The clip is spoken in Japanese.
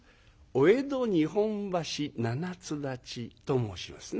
「お江戸日本橋七ツ立ち」と申しますな。